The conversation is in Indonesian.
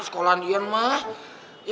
sekolahan ian emak